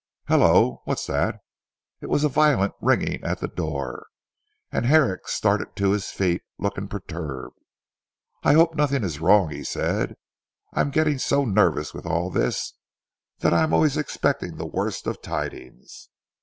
Hullo! What's that?" It was a violent ringing at the door, and Herrick started to his feet, looking perturbed. "I hope nothing is wrong now," he said. "I am getting so nervous with all this, that I am always expecting the worst of tidings."